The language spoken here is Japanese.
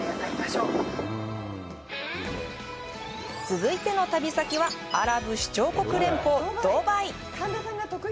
続いての旅先はアラブ首長国連邦ドバイ。